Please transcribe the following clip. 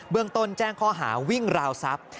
เมืองต้นแจ้งข้อหาวิ่งราวทรัพย์